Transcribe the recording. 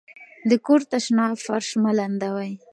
د کور تشناب فرش مه لندوئ.